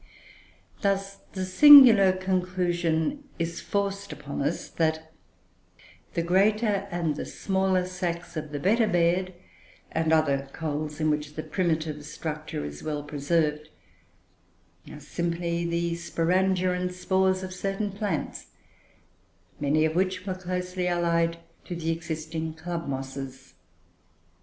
Thus, the singular conclusion is forced upon us, that the greater and the smaller sacs of the "Better Bed" and other coals, in which the primitive structure is well preserved, are simply the sporangia and spores of certain plants, many of which were closely allied to the existing club mosses.